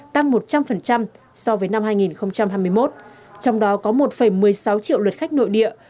tăng một trăm linh so với năm hai nghìn hai mươi một trong đó có một một mươi sáu triệu lượt khách nội địa